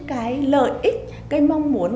cái lợi ích cái mong muốn